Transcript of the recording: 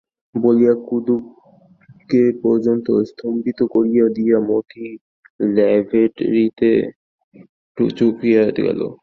বলিয়া কুমুদকে পর্যন্ত স্তম্ভিত করিয়া দিয়া মতি ল্যাভেটরিতে চুকিয়া গেল।